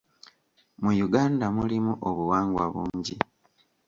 Mu Uganda mulimu obuwangwa bungi.